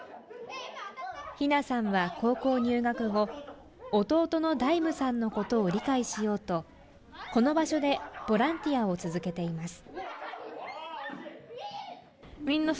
陽菜さんは高校入学後、弟の大夢さんのことを理解しようと、この場所でボランティアを続けています。